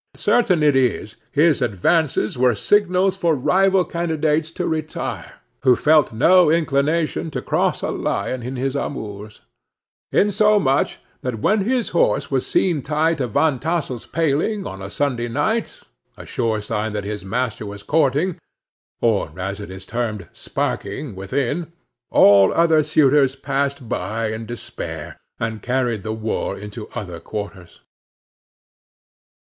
Certain it is, his advances were signals for rival candidates to retire, who felt no inclination to cross a lion in his amours; insomuch, that when his horse was seen tied to Van Tassel's paling, on a Sunday night, a sure sign that his master was courting, or, as it is termed, "sparking," within, all other suitors passed by in despair, and carried the war into other quarters.